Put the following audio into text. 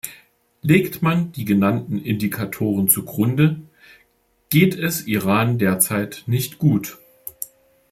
Legt man die genannten Indikatoren zugrunde, geht es Iran derzeit nicht gut.